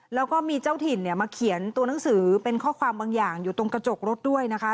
แล้วก็มีเจ้าถิ่นเนี่ยมาเขียนตัวหนังสือเป็นข้อความบางอย่างอยู่ตรงกระจกรถด้วยนะคะ